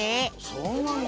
そうなんだ。